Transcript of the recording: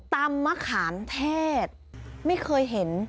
มะขามเทศไม่เคยเห็น